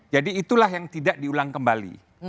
itulah yang tidak diulang kembali